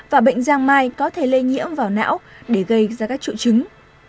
và bệnh giang mai có thể lây nhiễm vào não để gây ra các triệu chứng